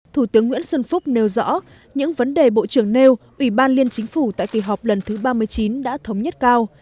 thủ tướng nguyễn xuân phúc nêu rõ những vấn đề bộ trưởng nêu ủy ban liên chính phủ tại kỳ họp lần thứ ba mươi chín đã thống nhất cao